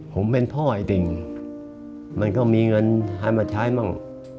ผมเป็นพ่อไอ้ติ่งมันก็มีเงินให้มาใช้มั่ง